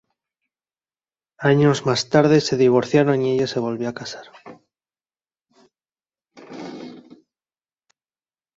Años más tarde se divorciaron y ella se volvió a casar.